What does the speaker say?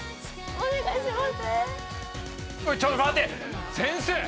お願いします。